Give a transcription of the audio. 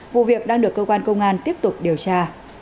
vụ việc đang được cơ quan công an tiếp tục điều tra